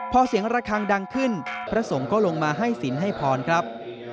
พอเสียงระคังดังขึ้นพระสงฆ์ก็ลงมาให้สินให้พรครับ